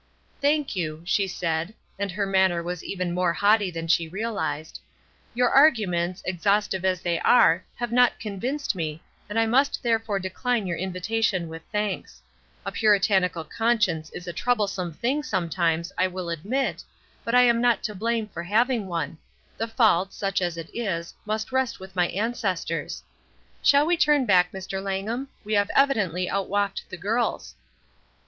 "Thank you," she said, and her manner was even more haughty than she realized. "Your arguments, exhaustive as they were, have not convinced me, and I must therefore decline your invitation with thanks. A Puritanical conscience is a troublesome thing sometunes, I will admit, but I am not to blame for having one; the fault,' such as it is, must rest with my ancestors.' Shall we turn back, Mr. Langham? We have evidently outwalked the girls."